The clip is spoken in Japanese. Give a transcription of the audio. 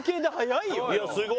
いやすごい。